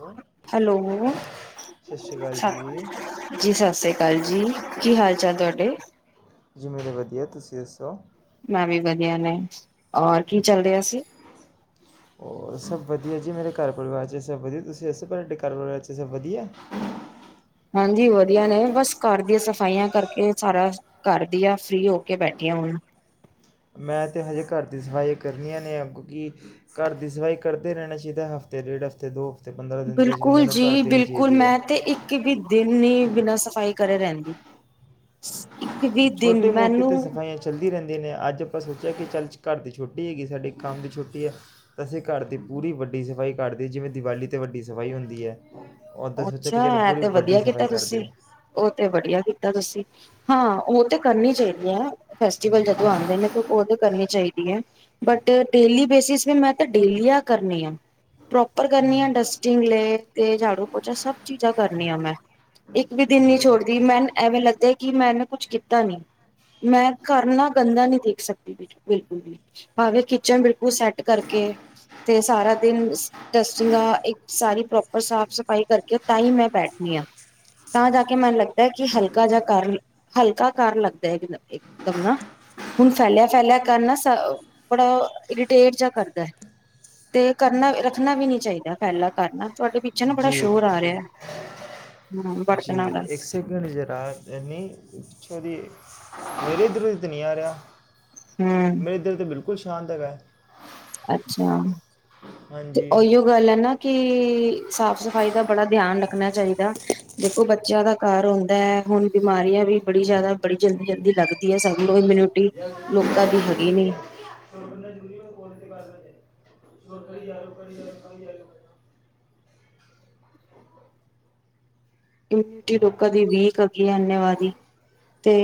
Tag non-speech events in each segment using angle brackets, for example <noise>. ਸਤਿ ਹੈਲੋ ਸ਼੍ਰੀ ਅਕਾਲ ਜੀ ਜੀ ਸਤਿ ਸ੍ਰੀ ਅਕਾਲ ਜੀ ਕੀ ਹਾਲ ਚਾਲ ਤੁਹਾਡੇ ਜੀ ਮੇਰੇ ਵਧੀਆ ਤੁਸੀਂ ਦੱਸੋ ਮੈਂ ਵੀ ਵਧੀਆ ਨੇ ਔਰ ਕੀ ਚੱਲ ਰਿ ਸੀ ਹੋਰ ਸਭ ਵਧੀਆ ਜੀ ਮੇਰੇ ਘਰ ਪਰਿਵਾਰ ' ਇਹ ਸਭ ਵਧੀਆ ਤੁਸੀਂ ਦੱਸੋ ਤੁਹਾਡੇ ਘਰ ਪਰਿਵਾਰ 'ਚ ਸਭ ਵਧੀਆ ਹਾਂਜੀ ਵਧੀਆ ਨੇ ਬਸ ਘਰ ਦੀਆਂ ਸਫ਼ਾਈਆਂ ਕਰਕੇ ਸਾਰਾ ਘਰ ਦੀਆਂ ਫ੍ਰਰੀ ਹੋ ਕੇ ਬੈਠੀੀਆਂ ਹੁਣ ਮੈਂ ਤਾਂ ਹਜੇ ਘਰ ਦੀ ਸਫਾਈ ਕਰਨੀਆਂ ਨੇ ਅੱਗਿ ਘਰ ਦੀ ਸਫਾਈ ਕਰਦੇ ਰਹਿਣਾ ਚਾਹੀਦਾ ਹਫ਼ਤੇ ਡੇਢ ਹਫਤੇ ਦੋ ਹਫ਼ਤੇ ਪੰਦਰਾਂ ਦਿਨ ਦੇ ਵਿੱਚ ਬੰਦੇ ਬਿਲਕੁਲ ਨੂੰ ਕਰ ਜੀ ਦੇਣੀ ਬਿਲਕੁਲ ਚਾਹੀਦੀ ਹੈ ਮੈਂ ਤੇ ਇੱਕ ਵੀ ਦਿਨ ਹੀ ਬਿਨਾਂ ਸਫ਼ਾਈ ਘੇ ਰਹਿੰਦੀ ਇੱਕ ਵੀ ਦਿਨ ਛੋਟੇ ਮੋਟ ਤੇ ਮੈਨੂੰ ਸਫਾਈਆਂ ਚੱਲਦੀ ਰਹਿੰਦੀ ਦੇ ਨੇ ਅੱਜ ਆਪਾਂ ਸੋਚਿਆ ਕਿ ਚੱਲ ਘਰ ਦੀ ਛੋੱਟੀ ਹੈਗੀ ਸਾਡੇ ਕੰਮ ਦੀ ਛੋੱਟੀ ਹੈ ਤਾਂ ਅਸੀਂ ਘਰ ਦੀ ਪੂਰੀ ਵੱਡੀ ਸਫਾਈ ਕਰਦੇ ਜਿਵੇਂ ਦਿਵਾਲੀ 'ਤੇ ਵੱਡੀ ਸਫਾਈ ਹੁੰਦੀ ਹੈ ਉੱਦਾਂ ਸੋਚਿਆ ਕਿ ਅੱਛਾ ਚਲੋ ਹੈ ਪੂਰੀ ਤੇ ਵੱਡੀ ਵਧੀਆ ਕੀਤਾ ਸਫਾਈ ਕਰ ਤੁਸੀਂ ਦਈਏ ਉਹ ਤੇ ਵਧੀਆ ਕੀਤਾ ਤੁਸੀਂ ਹਾਂ ਉਹ ਤੇ ਕਰਨੀ ਚਾਹੀਦੀ ਹੈ ਫੈਸਟੀਵਲ ਜਦੋਂ ਆਉਂਦੇ ਨੇ ਤੇ ਔ ਤੇ ਕਰਨੀ ਚਾਹੀਦੀ ਯਸ ਬਟ ਡੇਲੀ ਬੇਸਿਸ ਪੇ ਮੈਂ ਤਾਂ ਡੇਲੀ ਆਂ ਕਰਨੀ ਆ ਪ੍ਰੋਪਰ ਕਰਨੀ ਆ ਡਸਟਿੰਗ ਲੈ ਤੇ ਝਾੜੂ ਉਹਾ ਸਭ ਚੀਜ਼ਾਂ ਕਰਨੀਆਂ ਮੈਂ ਇੱਕ ਵੀ ਦਿਨ ਨ ਜੀ ਛੋੜਦੀ ਮੈਨੂੰ ਐਵੇਂ ਲੱਗਿਆ ਕਿ ਮੈਂਨ ਕੁਛ ਕੀਤਾ ਪਤਾ ਨਹੀ ਮੈਂ ਘਰ ਨਾ ਗੰਦਾ ਨੀ ਦੇਖ ਸਕਦੀ ਬਿਲਕੁਲ ਵੀ ਭਾਵੇ ਕਿਚਨ ਬਿਲਕੁਲ ਸੈੱਟ ਕਰਕੇ ਤੇ ਸਾਰਾ ਦਿਨ ਡਸਟਿੰਗ ਸਾਰੀ ਪ੍ਰੋਪਰ ਸਾਫ ਸਫਾਈ ਕਰਕੇ ਤਾਂ ਹੀ ਮੈਂ ਬੈਠਣੀ ਹਾਂ ਤਾਂ ਜਾ ਕੇ ਮੈਨੂੰ ਲੱਗਦਾ ਕਿ ਹਲਕਾ ਜਾ ਕਰ ਹਲਕਾ ਕਰ ਲੱਗਦਾ ਇਕ ਦਮ ਨਾ ਹੁਣ ਫੈਲਿਆ ਫੈਲਿਆ ਕਰਨਾ ਬੜਾ ਇਰੀਟੇਟ ਜਾ ਕਰਦਾ ਤੇ ਕਰਨਾ ਰੱਖਣਾ ਵੀ ਨੀ ਚਾਹੀਦਾ ਫੈਲਾਿਆ ਕਰਨਾ ਤੁਹਾਡੇ ਬੜਾ ਸ਼ੋਰ ਆ ਰਿਹਾ ਹਮ ਜੀ ਬਰਤਨਾਂ ਦਾ ਇੱਕ ਸੈਕਿੰਡ ਜ਼ਰਾ ਯ ਨਹੀਂ ੋੀ <inaudible> ਮੇਰੇ ਇੱਧਰੋਂ ਇੱਧਰ ਨਹੀਂ ਆ ਰਿਹਾ ਹਮ ਮੇਰੇ ਦਿਲ ਤੇ ਬਿਲਕੁਲ ਬਿਲਕੁਲ ਸ਼ਾਂਤ ਹੈਗਾ ਐ ਅੱਛਾ ਤੇ ਹਾਂਜੀ ਉਹੀੋ ਗੱਲ ਹੈ ਨਾ ਕਿ ਸਾਫ਼ ਸਫ਼ਾਈ ਦਾ ਬੜਾ ਧਿਆਨ ਰੱਖਣਾ ਚਾਹੀਦਾ ਦੇਖੋ ਬੱਚਿਆਂ ਦਾ ਘਰ ਹੁੰਦਾ ਹੈ ਹੁਣ ਬਿਮਾਰੀਆਂ ਵੀ ਬੜੀ ਜ਼ਿਆਦਾ ਬੜੀ ਜਲਦੀ ਜਲਦੀ ਲੱਗਦੀ ਹੈ ਸਗੋਂ ਇਮਿਊਨਿਟੀ ਲੋਕਾਂ ਦੀ ਹੈਗੀ ਨੀ ਖ ਆ <inaudible> ਇਮਿਊਨਟੀ ਲੋਕਾਂ ਦੀ ਵੀਕ ਹੈੱਗੀ ਹੈ ਅੰਨਵਾੀ ਤੇ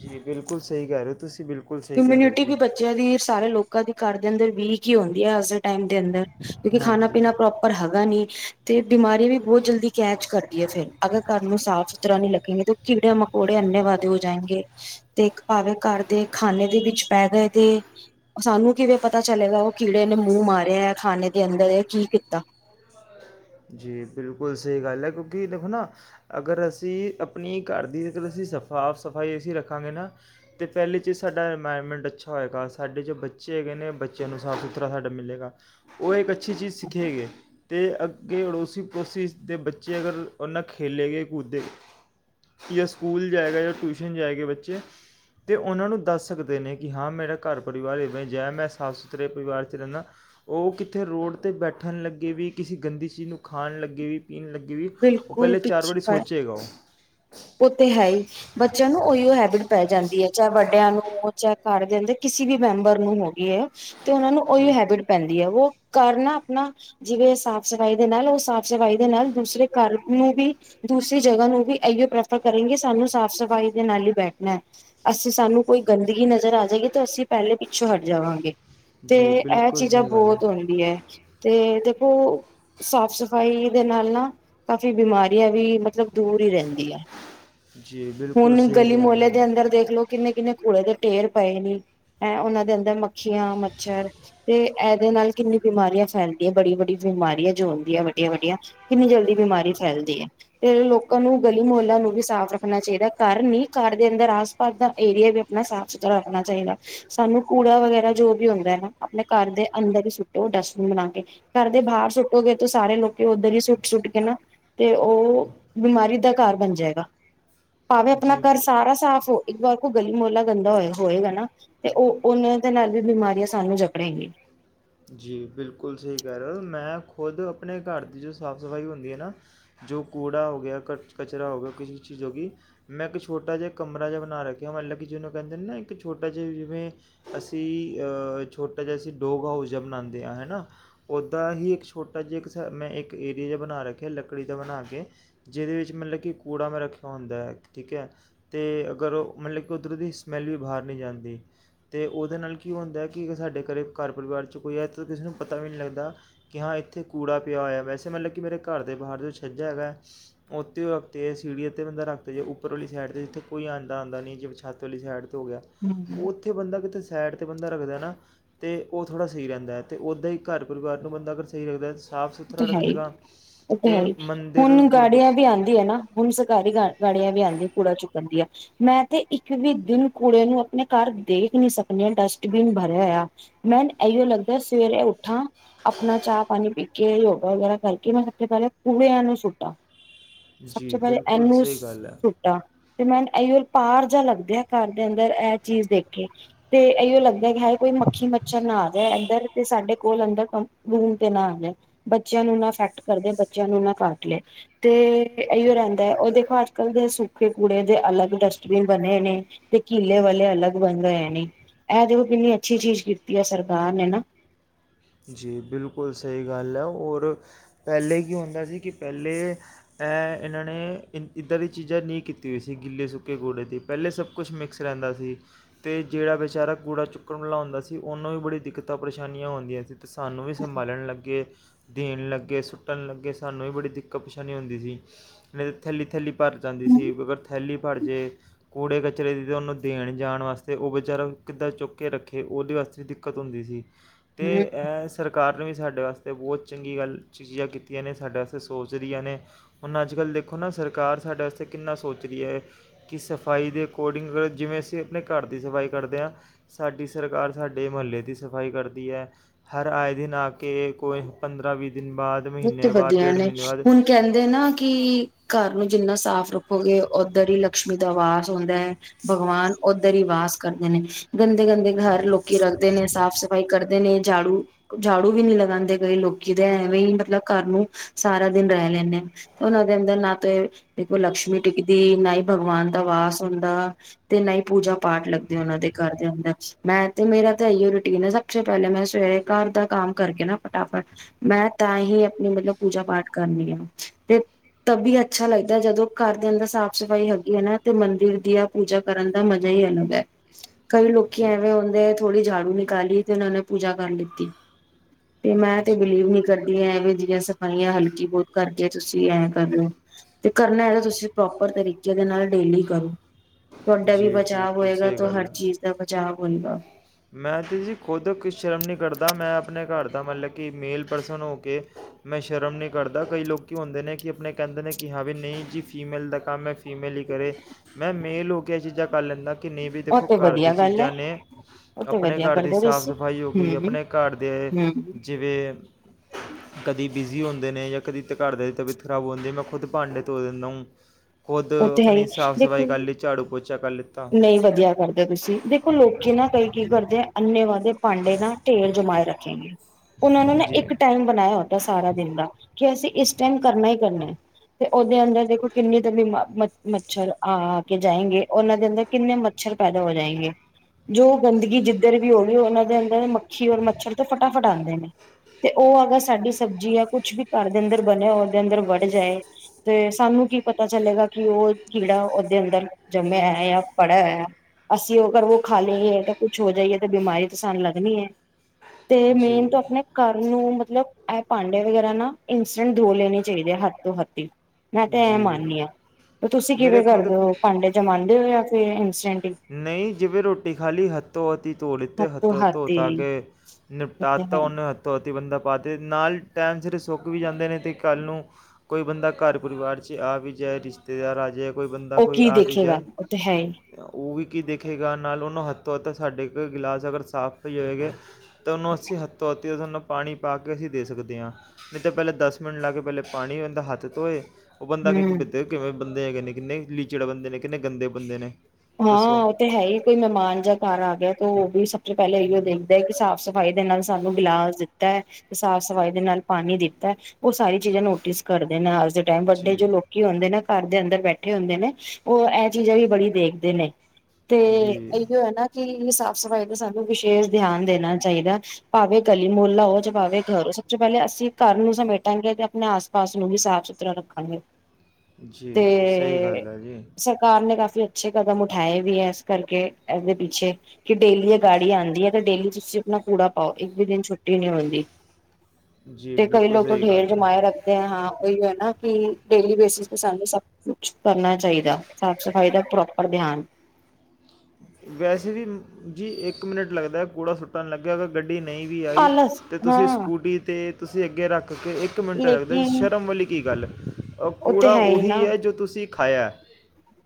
ਜੀ ਬਿਲਕੁਲ ਸਹੀ ਕਹਿ ਰਹੇ ਹੋ ਤੁਸੀ ਬਿਲਕੁਲ ਸਹੀ ਕਹਿ ਰਹੇ ਹੋ ਇਮਿਊਨਿਟੀ ਵੀ ਜੀ ਬੱਚਿਆਂ ਦੀ ਸਾਰੇ ਲੋਕ ਕਦੀ ਘਰ ਦੇ ਅੰਦਰ ਵੀਕ ਹੀ ਹੁੰਦੀ ਹੈ ਉਸਦੇ ਟਾਈਮ ਦੇ ਅੰਦਰ ਕਿਉਂਕਿ ਖਾਣਾ ਹਾਂਜੀ ਪੀਣਾ ਪ੍ਰੋਪਰ ਹੈਗਾ ਨਹੀਂ ਤੇ ਬਿਮਾਰੀ ਵੀ ਬਹੁਤ ਜਲਦੀ ਕੈਚ ਕਰਦੀਏ ਫੇਰ ਰ ਅਗਰ ਘਰ ਨੂੰ ਸਾਫ਼ ਸੁਥਰਾ ਨੀ ਰੱਖੇਗੀ ਤੇ ਕੀੜੇ ਮਕੌੜੇ ਅੰਨੇ ਵਾਧਦੇ ਹੋ ਜਾਏਗੇ ਤੇ ਭਾਵੇਂ ਘਰ ਦੇ ਖਾਨੇ ਦੇ ਵਿੱਚ ਪੈ ਗਏ ਤੇ ਸਾਨੂੰ ਕਿਵੇਂ ਪਤਾ ਚਲੇਗਾ ਉਹ ਕੀੜੇ ਨੇ ਮੂੰਹ ਮਾਰਿਆ ਹੈ ਖਾਨਣੇ ਦੇ ਅੰਦਰ ਇਹ ਕੀ ਕੀਤਾ ਜੀ ਬਿਲਕੁਲ ਸਹੀ ਗੱਲ ਹੈ ਕਿਉਂਕਿ ਦੇਖੋ ਨਾ ਅਗਰ ਅਸੀਂ ਆਪਣੀ ਘਰ ਦੀ ਅਗਰ ਅਸੀਂ ਸ ਸਾਾਫ ਸਫਾਈ ਅਸੀਂ ਰੱਖਾਂਗੇ ਨਾ ਤਾਂ ਪਹਿਲੇ 'ਚ ਸਾਡਾ ਇਨਵਾਇਰਮੈਂਟ ਅੱਛਾ ਹੋਏਗਾ ਸਾਡੇ ਜੋ ਬੱਚੇ ਹੈਗੇ ਨੇ ਬੱਚਿਆਂ ਨੂੰ ਸਾਫ ਸੁਥਰਾ ਸਾਡਾ ਮਿਲੇਗਾ ਉਹ ਇੱਕ ਅੱਛੀ ਚੀਜ਼ ਸਿੱਖੇਗੇ ਤੇ ਅਤੇ ਅੜੋਸੀ ਪੜੋਸੀ ਦੇ ਬੱਚੇ ਅਗਰ ਉਹਨਾਂ ਖੇਲੇ ਗਏ ਕੂਦੇਏ ਜਾਂ ਸਕੂਲ ਜਾਏਗਾ ਜਾਂ ਟਿਊਸ਼ਨ ਜਾਏਗੀ ਬੱਚੇ ਤਾਂ ਉਹਨਾਂ ਨੂੰ ਦੱਸ ਸਕਦੇ ਨੇ ਕਿ ਹਾਂ ਮੇਰਾ ਘਰ ਪਰਿਵਾਰ ਇਵੇਂ ਜ ਮੈਂ ਸਾਫ਼ ਸੁਥਰੇ ਪਰਿਵਾਰ 'ਚ ਰਹਿੰਦਾ ਉਹ ਕਿੱਥੇ ਰੋਡ 'ਤੇ ਬੈਠਣ ਲੱਗੇ ਵੀ ਕਿਸੇ ਗੰਦੀ ਕਿਸੀ ਨੂੰ ਖਾਣ ਲੱਗੇ ਵੀ ਪੀਣ ਲੱਗੇ ਵੀ ਉਹ ਬਿਲਕੁਲ ਪਹਿਲੇ ਚਾਰ ਵਾਰੀ ਪਿੱਛੇ ਸੋਚੇਗਾ ਉਹ ਉਹ ਤੇ ਹੈ ਹੀ ਬੱਚਿਆਂ ਨੂੰ ਉਹੀਓ ਹੈਬਿਟ ਪੈ ਜਾਂਦੀ ਹੈ ਚਾਹੇ ਵੱਡਿਆਂ ਨੂੰ ਚਾਹੇ ਘਰ ਦੇਿਆਂਦੇ ਕਿਸੇ ਵੀ ਮੈਂਬਰ ਨੂੰ ਹੋ ਗੀ ਹੈ ਤੇ ਉਹ ਨੂੰ ਜੀ ਉਹੀ ਹੈਬਿਟ ਪੈਂਦੀ ਹੈ ਵ ਕਰ ਨਾ ਆਪਣਾ ਜਿਵੇਂ ਸਾਫ਼ ਸਫ਼ਾਈ ਦੇ ਨਾਲ ਉਹ ਸਾਫ਼ ਸਫ਼ਾਈ ਦੇ ਨਾਲ ਦੂਸਰੇ ਘਰ ਨੂੰ ਵੀ ਦੂਸਰੀ ਜਗ੍ਹਾ ਨੂੰ ਵੀ ਇਹੀਓ ਪ੍ਰੈਫਰ ਕਰੇਗੇ ਸਾਨੂੰ ਸਾਫ਼ ਸਫ਼ਾਈ ਦੇ ਨਾਲ ਹੀ ਬੈਠਣਾ ਹੈ ਅਸੀਂ ਸਾਨੂੰ ਕੋਈ ਗੰਦਗੀ ਨਜ਼ਰ ਆ ਜਾਏਗੀ ਤਾਂ ਅਸੀਂ ਪਹਿਲੇ ਪਿੱਛੋਂ ਹਟ ਜਾਵਾਂਗੇ ਤੇ ਜੀ ਇਹ ਬਿਲਕੁਲ ਚੀਜ਼ਾਂ ਸਹੀ ਗੱਲ ਹੈ ਬਹੁਤ ਹੁੰਦੀ ਹੈ ਤੇ ਦੇਖੋ ਸਾਫ਼ ਸਫ਼ਾਈ ਦੇ ਨਾਲ ਨਾ ਕਾਫ਼ੀ ਬਿਮਾਰੀਆਂ ਵੀ ਮਤਲਬ ਦੂਰ ਹੀ ਰਹਿੰਦੀਆਂ ਜੀ ਬਿਲਕੁਲ ਹੁਣ ਸਹੀ ਗਲੀ ਕਹਿ ਰਹੇ ਮਹਲੇ ਹੈ ਦੇ ਅੰਦਰ ਦੇਖਲੋ ਕਿੰਨੇ, ਕਿੰਨੇ ਕੂੜੇ ਦੇ ਢੇਰ ਪਏ ਨੇ, ਏ ਉਹਨਾਂ ਦੇ ਅੰਦਰ ਮੱਖੀਆਂ-ਮੱਛਰ ਤੇ ਇਹਦੇ ਨਾਲ ਕਿੰਨੀ ਬਿਮਾਰੀਆਂ ਫੈਲਦੀਆਂ ਵਡੀ-ਵਡੀ ਬਿਮਾਰੀਆਂ ਜੋ ਹੂੰਦੀਆਂ ਵੱਡੀਆਂ-ਵੱਡੀਆਂ ਕਿੰਨੀ ਜਲਦੀ ਬਿਮਾਰੀ ਬੀਮਾਰੀ ਫੈਲਦੀ ਹੈ। ਤੇ ਲੋਕਾਂ ਨੂੰ ਗਲੀ ਮੁਹਲਾ ਨੂੰ ਵੀ ਸਾਫ਼ ਰੱਖਣਾ ਚਾਹੀਦਾ ਘਰ ਨੀ ਘਰ ਦੇ ਅੰਦਰ ਆਸ- ਪਾਸ ਦਾ ਏਰੀਆ ਵੀ ਆਪਣਾ ਸਾਫ਼ ਸੁਥਰਾ ਰੱਖਣਾ ਚਾਹੀਦਾ, ਸਾਨੂੰ ਕੂੜਾ ਵਗੈਰਾ ਜੋ ਵੀ ਹੁੰਦਾ ਹੈ ਨਾ ਆਪਣੇ ਘਰ ਦੇ ਅੰਦਰ ਹੀ ਸੁੱਟੋ ਡਸਟਬਿਨ ਬਣਾ ਕੇ ਘਰ ਦੇ ਬਾਹਰ ਸੁੱਟੋਗੇ ਤਾਂ ਸਾਰੇ ਲੋਕ ਉੱਧਰ ਹੀ ਸੁੱਟ ਸੁੱਟ ਕੇ ਨਾ ਤੇ ਉਹ ਬਿਮਾਰੀ ਦਾ ਘਰ ਬਣ ਜਾਏਗਾ। ਭਾਵੇਂ ਆਪਣਾ ਘਰ ਜੀ ਸਾਰਾ ਸਾਫ਼ ਹੋ। ਇੱਕ ਵਾਰ ਕੋਈ ਗਲੀ ਮੌਹਲਾ ਗੰਦਾ ਹੋ ਹੋਏਗਾ ਨਾ ਤੇ ਉਹ ਉਹਨਾਂ ਦੇ ਨਾਲ ਵੀ ਬਿਮਾਰੀਆਂ ਸਾਨੂੰ ਜਕੜੇਗੀ। ਜੀ ਬਿਲਕੁਲ ਸਹੀ ਕਹਿ ਰਹੇ ਹੋ ਮੈਂ ਖੁਦ ਆਪਣੇ ਘਰ ਦੀ ਜੋ ਸਾਫ਼ ਸਫਾਈ ਹੁੰਦੀ ਹੈ ਨਾ ਜੋ ਕੂੜਾ ਹੋ ਗਿਆ ਕਚ ਕਚਰਾ ਹੋ ਗਿਆ ਕੁਛ ਵੀ ਚੀਜ਼ ਹੋ ਗਈ ਮੈਂ ਇੱਕ ਛੋਟਾ ਜਿਹਾ ਕਮਰਾ ਜਿਹਾ ਬਣਾ ਰੱਖਿਆ ਮੰਤਲ ਲਬ ਕਿ ਜਿਹਨੂੰ ਕਹਿੰਦੇ ਨੇ ਨਾ ਇੱਕ ਛੋਟਾ ਜਿਹਾ ਜਿਵੇਂ ਅਸੀਂ ਛੋਟਾ ਜਿਹਾ ਅਸੀਂ ਡੋਗ ਹਾਊਸ ਜਿਹਾ ਬਣਾਉਂਦੇ ਹੈ ਨਾ ਉਦਾਂ ਹੀ ਇੱਕ ਛੋਟਾ ਜਿਹਾ ਇੱਕ ਮੈਂ ਇੱਕ ਏਰੀਆ ਜਿਹਾ ਬਣਾ ਰੱਖਿਆ ਲੱਕੜੀ ਦਾ ਬਣਾ ਕੇ ਜਿਹਦੇ ਵਿੱਚ ਮਤਲਬ ਕਿ ਕੂੜਾ ਮੈਂ ਰੱਖਿਆ ਹੁੰਦਾ ਹੈ ਠੀਕ ਹੈ, ਤੇ ਅਗਰ ਉਹ ਮਤਲਬ ਕਿ ਉੱਧਰ ਦੀ ਸਮੈਲ ਵੀ ਬਾਹਰ ਨਹੀਂ ਜਾਂਦੀ ਤੇ ਉਹਦੇ ਨਾਲ ਕੀ ਹੁੰਦਾ ਕਿ ਸਾਡੇ ਘਰੇ ਘਰ ਪਰਿਵਾਰ ' ਕੋਈ ਇਥ ਕਿਸੇ ਨੂੰ ਪਤਾ ਵੀ ਨਹੀਂ ਲੱਗਦਾ ਕਿ ਹਾਂ ਇੱਥੇ ਕੂੜਾ ਪਿਆ ਹੋਇਆ ਵੈਸੇ ਮਤਲਬ ਕਿ ਮੇਰੇ ਘਰ ਦੇ ਬਾਹਰ ਜੋ ਛੱਜਾ ਹੈਗਾ ਉੱਥਤੇ ਉਹ ਰੱਖਤੇ ਸੀੜੀ 'ਤੇ ਬੰਦਾ ਰੱਖਦਾ ਜੇ ਉੱਪਰ ਵਾਲੀ ਸਾਈਡ ' ਜਿੱਥ ਕੋਈ ਆਉਂਦਾ-ਆਉਂਦਾ ਨਹੀਂ ਛੱਤ ਵਾਲੀ ਸਾਈਡ ਹੋ ਗਿਆ, ਹਮ ਉੱਥੇ ਬੰਦਾ ਕਿੱਥੇ ਸਾਈਡ 'ਤੇ ਬੰਦਾ ਰੱਖਦਾ ਨਾ, ਤੇ ਉਹ ਥੋੜ੍ਹਾ ਸਹੀ ਰਹਿੰਦਾ। ਤੇ ਉੱਦਾਂ ਹੀ ਘਰ ਪਰਿਵਾਰ ਨੂੰ ਬੰਦਾ ਅਗਰ ਸਹੀ ਰਖਦਾ ਤੇ ਤੇ ਹੈ ਹੀ, ਤੇ ਹੈ ਹੀ ਮੰਦਿਰ ਹੁਣ ਗੁਰਦੁ ਗਾੜੀਆਂ ਵੀ ਆਉਂਦੀ ਹੈ ਨਾ ਹੁਣ ਸਰਕਾਰੀ ਗਾੜੀਆਂ ਵੀ ਆਉਂਦੀਆਂ ਕੂੜਾ ਚੁੱਕ ਵਧੀਆ,। ਮੈਂ ਤੇ ਇੱਕ ਵੀ ਦਿਨ ਕੂੜੇ ਨੂੰ ਆਪਣੇ ਘਰ ਦੇਖ ਨੀ ਸਕਦੀ ਡਸਟਬਿਨ ਭਰਿਆ ਹੋਇਆ, ਮੈ ਇਹੀੋ ਲੱਗਦਾ ਸਵੇਰੇ ਉੱਠਾਂ ਆਪਣਾ ਚਾਹ ਪਾਣੀ ਪੀ ਕੇ ਯੋਗਾ ਵਗੈਰਾ ਕਰਕੇ ਮੈਂ ਸਭ ਤੋਂ ਪਹਿਲਾਂ ਕੂੜਿਆਂ ਨੂੰ ਸੁਟਾਂ। ਜੀ ਸਭ ਪਹਿਲੇ ਬਿਲਕੁਲ ਐਨੂ ਸਹੀ ਗੱਲ ਹੈ ਸੁਟਾ ਤੇ ਮੈ ਅਇਯੋ ਭਾਰ ਜਾ ਲੱਗਦੇ ਆ ਘਰ ਦੇ ਅੰਦਰ ਇਹ ਚੀਜ਼ ਦੇਖੇ ਕੇ, ਤੇ ਅਇਯੋ ਲੱਗਦਾ ਕਿ ਹਾਏ ਕੋਈ ਮੱਖੀ -ਮੱਛਰ ਨਾ ਆ ਜਾਏ ਅੰਦਰ ਤੇ ਸਾਡੇ ਕੋਲ ਅੰਦਰ ਰੂਮ ਤੇ ਨਾ ਆ ਜਾਏ। ਬੱਚਿਆਂ ਨੂੰ ਨਾ ਅਫੈਕਟ ਕਰਦੇ ਬੱਚਿਆਂ ਨੂੰ ਨਾ ਕਟ ਲਏ, ਤੇ ਇਓ ਰਹਿੰਦਾ ਹੈ ਉਹ ਦੇਖੋ ਅੱਜ-ਕੱਲ ਦੇ ਸੁਖੇ ਕੂੜੇ ਦੇ ਅਲੱਗ ਡਸਟਬਿਨ ਬਣੇ ਨੇ ਤੇ ਗੀਲੇ ਵਾਲੇ ਅਲੱਗ ਬਣ ਗਏ ਨੇ ਇਹ ਦੇਖੋ ਕਿੰਨੀ ਅੱਛੀ ਚੀਜ਼ ਕੀਤੀ ਹੈ ਸਰਕਾਰ ਨੇ ਨਾ। ਜੀ ਬਿਲਕੁਲ ਸਹੀ ਗੱਲ ਹੈ। ਔਰ ਪਹਿਲੇ ਕੀ ਹੁੰਦਾ ਸੀ ਕਿ ਪਹਿਲੇ ਇਹਨਾਂ ਨੇ ਇ ਇੱਦਾਂ ਦੀ ਚੀਜ਼ਾਂ ਨਹੀਂ ਕੀਤੀ ਹੋਈ ਸੀ, ਗਿੱਲੇ ਸੁੱਕੇ ਕੂੜੇ ਦੀਤੇ ਪਹਿਲੇ ਸਭ ਕੁਛ ਮਿਕਸ ਰਹਿੰਦਾ ਸੀ ਅਤੇ ਜਿਹੜਾ ਬੇਚਾਰਾ ਕੂੜਾ ਚੁੱਕਣ ਵਾਲਾ ਹੁੰਦਾ ਸੀ, ਉਹਨਾਂ ਨੂੰ ਵੀ ਬੜੀ ਦਿੱਕਤਾਂ ਪਰੇਸ਼ਾਨੀਆਂ ਔੰਦੀਆਂ ਸੀ। ਅਤੇ ਸਾਨੂੰ ਵੀ ਸੰਭਾਲਣ ਲੱਗੇ ਦੇਣ ਲੱਗੇਖ, ਸੁੱਟਣ ਲੱਗੇ ਸਾਨੂੰ ਵੀ ਬੜੀ ਦਿੱਕਤ ਪਰੇਸ਼ਾਨੀ ਹੁੰਦੀ ਸੀ, ਨਹੀਂ ਤਾਂ ਥੈਲੀ-ਥੈਲੀ ਭਰ ਜਾਂਦੀ ਸੀ ਅਗਰ ਥੈਲੀ ਭਰ ਜੇ ਕੂੜੇ-ਕਚਰੇ ਦੀ ਤਾਂ ਉਹਨੂੰ ਦੇਣ ਜਾਣ ਵਾਸਤੇ ਉਹ ਵਿਚਚਾਰਾ ਕਿੱਦਾਂ ਚੁੱਕ ਕੇ ਰੱਖੇ ਉਹਦੇ ਵਾਸਤੇ ਵੀ ਦਿੱਕਤ ਹੁੰਦੀ ਸੀ। ਅਤੇ ਹੂੰ। ਇਹ ਸਰਕਾਰ ਨੇ ਵੀ ਸਾਡੇ ਵਾਸਤੇ ਬਹੁਤ ਚੰਗੀ ਗੱਲ ਚੀਜ਼ਾਂ ਕੀਤੀਆਂ ਨੇ ਸਾਡੇ ਵਾਸਤੇ ਸੋਚ ਰਹੀਆਂ ਨੇ ਹੁਣ ਅੱਜ- ਕੱਲ੍ਹ ਦੇਖੋ ਨਾ ਸਰਕਾਰ ਸਾਡੇ ਵਾਸਤੇ ਕਿੰਨਾ ਸੋਚ ਰਹੀ ਹੈ, ਕਿ ਸਫਾਈ ਦੇ ਅਕੋਡਿੰਗ ਜਿਵੇਂ ਅਸੀਂ ਆਪਣੇ ਘਰ ਦੀ ਸਫਾਈ ਕਰਦੇ ਹਾਂ ਸਾਡੀ ਸਰਕਾਰ ਸਾਡੇ ਮੁਹੱਲੇ ਦੀ ਸਫਾਈ ਕਰਦੀ ਹੈ। ਹਰ ਆਏ ਦਿਨ ਆ ਕੇ ਕੋਈ ਪੰਦਰਾਂ ਵੀ ਬੁਹਤ ਵਧੀਆ ਨੇ, ਹੁਣ ਕਹਿੰਦੇ ਨਾ ਕਿ ਘਰ ਨੂੰ ਜਿੰਨਾ ਸਾਫ਼ ਰੱਖੋਗੇ ਔਧਰ ਹੀ ਲਕਸ਼ਮੀ ਦਾ ਵਾਸ ਹੁੰ ੰਦਾ ਭਗਵਾਨ ਔਧਰ ਹੀ, ਵਾਸ ਕਰਦੇ ਨੇ। ਗੰਦੇ-ਗੰਦੇ ਘਰ ਲੋਕੀ ਰੱਖਦੇ ਨੇ ਸਾਫ਼ ਸਫ਼ਾਈ ਕਰਦੇ ਨੇ ਝਾੜੂ, ਝਾੜੂ ਵੀ ਨਹੀਂ ਲਗਾੰਦੇ ਕਈ ਲੋਕੀ ਤੇ ਐਵੇਂ ਹੀ ਯਾ, ਘਰ ਨੂੰ ਸਾਰਾ ਦਿਨ ਰਹਿ ਲੈਂਦੇ ਆ। ਉਹਨਾਂ ਦੇ ਅੰਦਰ ਨਾ ਤੇ ਇਹ ਦੇਖੋ ਲਕਸ਼ਮੀ ਟਿਕਦੀ, ਨਾ ਹੀ ਭਗਵਾਨ ਦਾ ਵਾਸ ਹੁੰਦਾ, ਤੇ ਨਾ ਹੀ ਪੂਜਾ ਪਾਠ ਲੱਗਦੇ ਉਹਨਾਂ ਦੇ ਘਰ ਦੇ ਅੰਦਰ ਮੈਂ ਤੇ ਮੇਰਾ ਤਾਂ ਇ ਰੂਟੀਨ ਹੈ ਸਭ ਤੋਂ ਪਹਿਲੇ ਮੈਂ ਸਵੇਰੇ ਘਰ ਦਾ ਕੰਮ ਕਰਕੇ ਨਾ ਫਟਾਫਟ ਮੈਂ ਤਾਂ ਹੀ ਆਪਣੀ ਮਤਲਬ ਪੂਜਾ ਪਾਠ ਕਰਨੀ ਐ, ਤੇ ਤਾਹੀ ਅੱਛਾ ਲੱਗਦਾ ਜਦੋਂ ਘਰ ਦੇ ਅੰਦਰ ਸਾਫ਼ ਸਫ਼ਾਈ ਹੈਗੀ ਹੈ ਨਾ ਤੇ ਮੰਦਿਰ ਦੀ ਆ ਪੂਜਾ ਕਰਨ ਦਾ ਮਜ਼ਾ ਹੀ ਅਲੱਗ ਹੈ। ਕਈ ਲੋਕੀ ਜੀ ਐਵੇਂ ਹੁੰਦੇ ਥੋੜੀ ਝਾੜੂ ਨਿਕਾਲੀ ਤੇ ਉਹਨੇ ਪੂਜਾ ਕਰ ਲਿੱਤੀ ਤੇ ਮੈਂ ਤੇ ਜੀ ਬਿਲੀਵ ਨੀ ਕਰਦੀ ਐਂਵੀ ਦੀੰਆ ਸਫਾਈਆਂ ਹਲਕੀ ਬਹੁਤ ਕਰਕੇ ਤੁਸੀਂ ਐਂ ਕਰ ਲਓ ਤੇ ਕਰਨਾ ਹੈ ਤਾਂ ਤੁਸੀਂ ਪ੍ਰੋਪਰ ਤਰੀਕੇ ਦੇ ਨਾਲ ਡੇਲੀ ਕਰੋ। ਤੁਹਾਡਾ ਵੀ ਜੀ ਬਚਾਅ ਬਿਲਕੁਲ ਹੋਏਗਾ, ਸਹੀ ਤੋ ਗੱਲ ਹਰ ਹੈ ਚੀਜ਼ ਦਾ ਬਚਾਅ ਹੋਏਗਾ। ਮੈਂ ਤਾਂ ਜੀ ਖੁਦ ਸ਼ਰਮ ਨਹੀਂ ਕਰਦਾ ਮੈਂ ਆਪਣੇ ਘਰ ਦਾ ਮਲਬ ਕਿ ਮੇਲ ਪਰਸਨ ਹੋ ਕੇ ਮੈਂ ਸ਼ਰਮ ਨਹੀਂ ਕਰਦਾ ਕਈ ਲੋਕ ਹੁੰਦੇ ਨੇ ਕਿ ਆਪਣੇ ਕਹਿੰਦੇ ਨੇ ਕਿ ਹਾਂ ਵੀ ਨਹੀਂ ਜੀ ਫੀਮੇਲ ਦਾ ਕੰਮ ਹੈ ਫੀਮੇਲ ਹੀ ਕਰੇ ਮੈਂ ਮੇਲ ਹੋ ਕੇ ਇਹ ਚੀਜ਼ਾਂ ਕਰ ਲੈਂਦਾ। ਕਿੰਨੀ ਵੀ ਉਹ ਦੇਖੋ ਤੇ ਘਰ ਦੀ ਵਧੀਆ ਗੱਲ ਹੈ ਚੀਜ਼ਾਂ ਨੇ ਉਹ ਤੇ ਆਪਣੇ ਵਧੀਆ ਘਰ ਦੀ ਕਰਦੇ ਹੋ ਸਾਫ਼ ਤੁਸੀਂ ਸਫਾਈ ਹੋ ਗਈ, ਹਮ ਆਪਣੇ ਘਰ ਦੇ ਹਮ ਜਿਵੇਂ ਕਦੀ ਬਿਜ਼ੀ ਹੁੰਦੇ ਨੇ ਜਾਂ ਕਦੀ ਘਰਦਿਆਂ ਦੀ ਤਬੀਅਤ ਖ਼ਰਾਬ ਹੋ ਜਾਂਦੀ ਹੈ, ਮੈਂ ਖੁਦ ਭਾਂਡੇ ਧੋ ਦਿੰਦਾ ਹੂ। ਖੁਦ ਉਹ ਤੇ ਹੈ ਆਪਣੀ ਹੀ ਸਾਫ਼ ਸਫ਼ਾਈ ਦੇਖੋ ਕਰਨ ਲਈ ਝਾੜੂ ਪੋਚ ਨਹੀਂ ਵਧੀਆ ਕਰਦੇ ਤੁਸੀਂ ਦੇਖੋ ਲੋਕੀ ਨਾ ਕਈ ਕੀ ਕਰ ਅੰਨੇ ਵਾਦੇ ਭਾਂਡੇ ਨਾਲ ਢੇਰ ਜਮਾਏ ਰੱਖੇ ਨੇ ਉਹਨਾਂ ਨੂੰ ਨਾ ਜੀ ਇੱਕ ਟਾਈਮ ਬਣਾਇਆ ਸਾਰਾ ਦਿਨ ਦਾ ਕਿ ਅਸੀਂ ਇਸ ਟਾਈਮ ਕਰਨਾ ਹੀ ਕਰਨਾ ਤੇ ਉਹਦੇ ਅੰਦਰ ਦੇਖੋ ਕਿੰਨੀ ਦੇ ਬਿ ਮੱਛਰ ਆ ਆ ਕੇ ਜਾਏਗੇ ਉਹਨਾਂ ਦਿਨ ਦੇ ਕਿੰਨੇ ਮੱਛਰ ਪੈਦਾ ਹੋ ਜਾਏਗੇ ਜੋ ਗੰਦਗੀ ਜਿੱਧਰ ਵੀ ਹੋਵੇ ਉਹਨਾਂ ਦੇ ਅੰਦਰ ਮੱਖੀ ਔਰ ਮੱਛਰ ਤੇ ਫਟਾਫਟ ਆਉਂਦੇ ਨੇ ਤੇ ਉਹ ਅਗਰ ਸਾਡੀ ਸਬਜ਼ੀ ਆ ਕੁਛ ਵੀ ਘਰ ਦੇ ਅੰਦਰ ਬਣੇ ਉਹਦੇ ਅੰਦਰ ਵੜ ਜਾਏ ਤੇ ਸਾਨੂੰ ਕੀ ਪਤਾ ਚਲੇਗਾ ਕਿ ਉਹ ਕੀੜਾ ਉਹਦੇ ਅੰਦਰ ਜੰਮਿਆ ਐ। <unintelligible> ਪੜਾ ਹੈ ਅਸੀਂ ਅਗਰ ਵੋ ਖਾ ਲਈਗੇ ਤਾਂ ਕੁੱਛ ਹੋ ਜਾਈਏ ਤਾਂ ਬਿਮਾਰੀ ਤਾਂ ਸਾਨੂੰ ਲਗਣੀ ਹੈ ਤੇ ਮੇਨ ਤਾਂ ਜੀ ਆਪਣੇ ਘਰ <unintelligible> ਮਤਲਬ ਇਹ ਭਾਂਡੇ ਵਗੈਰਾ ਨਾ ਇੰਸਟੈਂਟ ਧੋ ਲੈਣੇ ਚਾਹੀਦੇ ਆ ਹੱਥ ਤੋਂ ਹੱਥ ਹੀ ਮੈਂ ਤੇ ਐਂ ਜੀ ਮੰਨਦੀ ਹਾਂ ਤੇ ਤੁਸੀਂ ਮੇਰੇ ਕਿਵੇਂ ਖੁਦ ਕਰਦੇ ਹੋ ਪਾਂਡੇ ਜਮਾਨ ਹਮਮ <unintelligible> ਨਹੀਂ ਜਿਵੇਂ ਰੋਟੀ ਖਾਲੀ ਹੱਥੋਂ ਹੱਥ ਈ ਧੋ ਲਿਤੇ ਹੱਥੋਂ ਹੱਥ ਧੋ ਧਾ ਕੇ ਤੇ ਨਿਪਟਾਤਾ ਹੈ ਉਹ ਨੇ ਅਤੀਬੰਦਾਾਂ ਪਾਦੇ ਨਾਲ ਟਾਈਮ ਸਿਰ ਸੁੱਕ ਵੀ ਜਾਂਦੇ ਨੇ ਅਤੇ ਕੱਲ੍ਹ ਨੂੰ ਕੋਈ ਬੰਦਾ ਘਰ ਪਰਿਵਾਰ 'ਚ ਆ ਵੀ ਜਾਏ ਰਿਸ਼ਤੇਦਾਰ ਆ ਜਾਏ ਕੋਈ ਬੰਦਾ ਉਹ ਕੋਈ ਕੀ ਆ ਵੀ ਦੇਖੇਗਾ ਜਾਏ ਉਹ ਤੇ ਹੈ ਹੀ ਉਹ ਵੀ ਕੀ ਦੇਖੇਗਾ ਨਾਲ ਉਹਨੂੰ ਹੱਥ ਧੋਂ ਹੱਥ ਸਾਡੇ ਕੋ ਗਿਲਾਸ ਅਗਰ ਸਾਫ਼ ਹੋਈ ਹੋਵੇਗਾ ਤਾਂ ਉਹਨੂੰ ਅਸੀਂ ਹੱਥੋਂ ਹੱਥਤੇ ਤੁਾਨੂੰ ਪਾਣੀ ਪਾ ਕੇ ਅਸੀਂ ਦੇ ਸਕਦੇ ਹਾਂ ਨਹੀਂ ਤਾਂ ਪਹਿਲਾਂ ਦਸ ਮਿੰਟ ਲੱਗ ਕੇ ਪਹਿਲੇ ਪਾਣੀ ਉਹਦਾ ਹੱਥ ਧੋਏ ਉਹ ਬੰਦਾ ਕਿ ਹਮ ਬਿੱਦ ਕਿਵੇਂ ਬੰਦੇ ਦੇ ਕਿੰਨੇ ਲਿਚੜੇ ਬੰਦੇ ਨੇ ਕਿੰਨੇ ਗੰਦੇ ਬੰਦੇ ਨੇ ਹਾਂ ਦੱਸੋ ਉਹ ਤੇ ਹੈ ਹੀ ਕੋਈ ਮਹਿਮਾਨ ਜਾਂ ਘਰ ਆ ਗਿਆ ਤੇ ਉਹ ਵੀ ਪਹਿਲ ਇਹੀੋ ਦੇਖਦਾ ਹੈ ਕਿ ਸਾਫ਼ ਸੁਫ਼ ਸਫਾਈ ਦੇ ਨਾਲ ਸਾਨੂੰ ਗਿਲਾਸ ਦਿੱਤਾ ਹੈ ਤੇ ਸਾਫ਼ ਸਫ਼ਾਈ ਦੇ ਨਾਲ ਪਾਣੀ ਦਿੱਤਾ ਉਹ ਸਾਰੀ ਚੀਜ਼ਾਂ ਨੋਟਿਸ ਕਰਦੇ ਨੇ ਅਜ ਦੇ <unintelligible> ਵੱਡੇ ਜੋ ਜੀ ਲੋਕੀ ਹੁੰਦੇ ਨਾ ਘਰ ਦੇ ਅੰਦਰ ਬੈਠੇ ਹੁੰਦੇ ਨੇ ਉਹ ਇਹ ਚੀਜ਼ਾਂ ਵੀ ਬੜੀ ਦੇਖ ਦਿ ਨੇ ਤੇ ਜੀ ਇਹੀ ਯੋ ਨਾ ਕਿ ਸਾਫ਼ ਸਫ਼ਾਈ ਦਾ ਸਾਨੂੰ ਵਿਸ਼ੇਸ਼ ਧਿਆਨ ਦੇਣਾ ਚਾਹੀਦਾ ਭਾਵੇਂ ਗਲੀ ਮੁਹਲਾ ਹੋ ਜਾਂ ਭਾਵੇਂ ਘਰ ਹੋ ਸਭ ਤੋਂ ਪਹਿਲੇ ਅਸੀਂ ਘਰ ਨੂੰ ਸਮੇਟਾਂਗੇ ਤੇ ਆਪਣੇ ਆਸ ਪਾਸ ਨੂੰ ਵੀ ਸਾਫ਼ ਸੁਥਰਾ ਰੱਖਾਂਗੇ ਜੀ ਸਹੀ ਗੱਲ ਹੈ ਜੀ ਅੱਛਾ ਕਦਮ ਉਠਾਏ ਵੀ ਹੈ ਇਸ ਕਰਕੇ ਇਹਦੇ ਪਿੱਛੇ ਕਿ ਡੇਲੀ ਇਹ ਗਾੜੀ ਆਉਂਦੀ ਹੈ ਤੇ ਡੇਲੀ ਤੁਸੀਂ ਆਪਣਾ ਕੂੜਾ ਪਾਓ ਇੱਕ ਵੀ ਦਿਨ ਛੁੱਟੀ ਨੀ ਹੁੰਦੀ ਜੀ ਤੇ ਕਈ ਬਿਲਕੁਲ ਲੋਕ ਤੋਂ ਸਹੀ ਢੇਰ ਗੱਲ ਹੈ ਜਮਾਏ ਰੱਖਦੇ ਹੈ ਹਾਂ ਉਹੀ ਹੈ ਨਾ ਕਿ ਡੇਲੀ ਬੇਸਿਸ ਤੇ ਸਾਨੂੰ ਸਭ ਕੁਛ ਕਰਨਾ ਚਾਹੀਦਾ ਸਾਫ਼ ਸਫ਼ਾਈ ਦਾ ਪ੍ਰੋਪ ਪਰ ਧਿਆਨ ਵੈਸੇ ਵੀ ਜੀ ਇੱਕ ਮਿੰਟ ਲੱਗਦਾ ਕੂੜਾ ਸੁੱਟਣ ਲੱਗਿਆਗ ਅਗਰ ਗੱਡੀ ਨਹੀਂ ਵੀ ਆਈ ਆਲਸ ਅਤੇ ਤੁਸੀਂ ਹਾਂ ਸਕੂਟੀ ਤੇ ਤੁਸੀਂ ਅੱਗੇ ਰੱਖ ਕਿਉਂਕਿ ਇੱਕ ਮਿੰਟ ਲੱਗਦੈ, ਲੇਕਿਨ ਸ਼ਰਮ ਵਾਲੀ ਕੀ ਗੱਲ ਐ। ਔ ਉਹ ਕੂੜਾ ਤੇ ਹੈ ਹੀ ਔਹੀ ਨਾ ਐ ਜੋ ਤੁਸੀ ਖਾਇਆ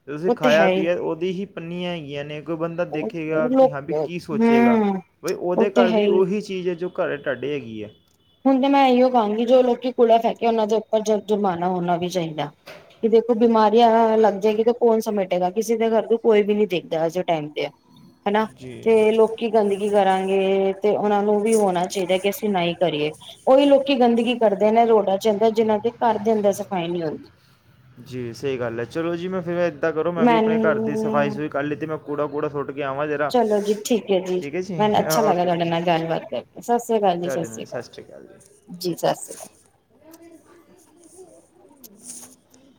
ਤੁਸੀ ਉਹ ਤੇ ਖਾਇਆ ਹੈ ਹੀ ਪੀਆ ਔਦੀ ਹੀ ਪਨਿਆਈ ਯਾਨੇ ਕੋ ਬੰਦਾ ਦੇਖੇਗਾ ਕਿ ਲੋਕ ਹਾਂ ਬੀ ਕੀ ਸੋਚੇਗਾ ਹਮ ਬਈ ਉਹ ਉਹਦੇ ਤੇ ਘਰ ਹੈ ਵੀ ਹੀ ਉਹੀ ਚੀਜ਼ ਏ ਜੋ ਘਰੇ ਟਾਡੇ ਹੈਗੀ ਐ। ਹੁਣ ਤੇ ਮੈਂ ਏਈਔ ਕਾਂਗੀ ਜੋ ਲੋਕੀ ਕੂੜਾ ਫੈਕੇ ਉਹਨਾਂ ਦੇ ਉੱਪਰ ਜ ਜੁਰਮਾਨਾ ਹੋਣਾ ਵੀ ਚਾਹੀ ਦਾ ਕਿ ਦੇਖੋ ਬਿਮਾਰੀਆਂ ਲੱਗ ਜੇ <unintelligible> ਗਾ ਕੌਣ ਸਮੇਟੇਗਾ। ਕਿਸੇ ਦੇ ਘਰ ਨੂੰ ਕੋਈ ਵੀ ਨੀ ਦੇਖਦਾ ਅੱਜ ਦੇ ਟਾਈਮ ਤੇ ਐ। ਹੈਨਾ ਜੀ ਤੇ ਲੋਕੀ ਗੰਦਗੀ ਕਰਾਂ <unintelligible> ਤੇ ਉਹਨਾਂ ਨੂੰ ਵੀ ਹੋਣਾ ਚਾਹੀਦੈ ਕਿ ਅਸੀਂ ਨਾ ਈ ਕਰੀਏ। ਔਹੀ ਲੋਕੀ ਗੰਦਗੀ ਕਰਦੇ ਨੇ ਰੋਡਾਂ ਚ ਅੰਦਰ ਜਿੰਨਾਂ ਦੇ ਘਰ ਦੇ ਅੰਦਰ ਸਫ਼ਾਈ ਨਈ ਹੋਂਦੀ। ਜੀ ਸਈ ਗੱਲ ਐ। ਚਲੋ ਜੀ ਮੈਂ ਫਿਰ ਅੱਜ ਤਾ ਕਰੋ, ਮੈਂ ਵੀ ਆਪਣੇ ਘਰ ਦੀ ਸਫ਼ਾਈ ਮੈਨੂੰ ਸਫਾਈ ਕਰ ਲਤੀ ਮੈਂ ਕੂੜਾ ਕੂੜਾ ਸੋਟ ਚਲੋ ਜੀ ਠੀਕ ਐ ਜੀ। ਮੈਨ ਅੱਛਾ ਲੱਗਾ ਓਕੇ ਜੀ ਤੁਆਡੇ ਨਾਲ ਗੱਲਬਾਤ ਕਰਕੇ। ਸਤਿ ਸ੍ਰੀ ਕਾਲ ਜੀ, ਸਤਿ ਤੁਹਾਡੇ ਸ਼੍ਰੀ ਨਾਲ ਅਕਾਲ ਜੀ ਕਾਲ। ਜੀ ਸਤਿ ਸ੍ਰੀ ਕਾਲ। <unintelligible> <unintelligible>